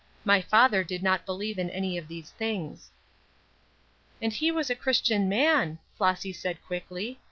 My father did not believe in any of these things." "And he was a Christian man," Flossy said, quickly.